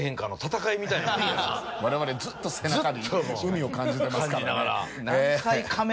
我々ずっと背中に海を感じてますからね。